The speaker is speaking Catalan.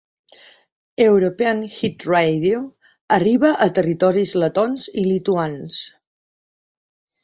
European Hit Radio arriba a territoris letons i lituans.